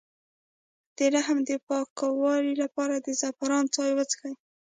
د رحم د پاکوالي لپاره د زعفران چای وڅښئ